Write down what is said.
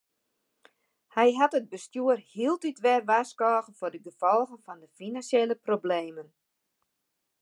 Hy hat it bestjoer hieltyd wer warskôge foar de gefolgen fan de finansjele problemen.